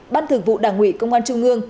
ban thường vụ đảng ủy công an trung ương